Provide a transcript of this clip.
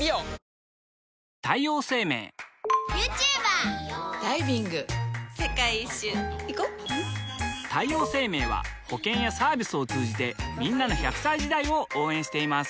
女性 ２） 世界一周いこ太陽生命は保険やサービスを通じてんなの１００歳時代を応援しています